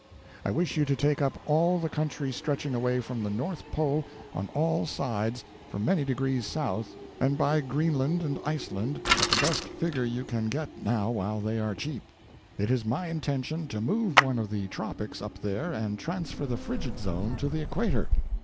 I wish you to take up all the country stretching away from the north pole on all sides for many degrees south, and buy Greenland and Iceland at the best figure you can get now while they are cheap. It is my intention to move one of the tropics up there and transfer the frigid zone to the equator.